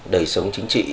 đầy sống chính trị